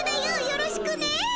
よろしくね。